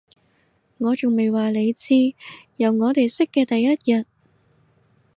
我仲未話你知，由我哋識嘅第一日